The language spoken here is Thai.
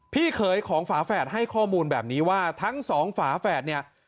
พี่เขยของฝาแฝดให้ข้อมูลแบบนี้ว่าทั้งสองฝาแฝดเนี่ย